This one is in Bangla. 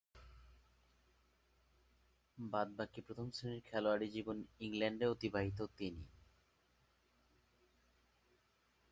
বাদ-বাকী প্রথম-শ্রেণীর খেলোয়াড়ী জীবন ইংল্যান্ডে অতিবাহিত তিনি।